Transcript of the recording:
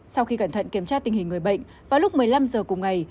sau khi cẩn thận kiểm tra tình hình người bệnh vào lúc một mươi năm h cùng ngày